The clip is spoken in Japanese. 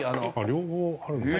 両方あるんだね。